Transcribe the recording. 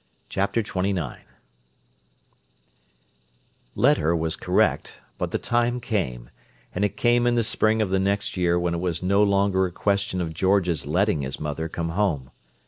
Chapter XXIX "Let her" was correct; but the time came—and it came in the spring of the next year when it was no longer a question of George's letting his mother come home.